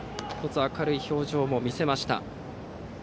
１つ、明るい表情も見せました。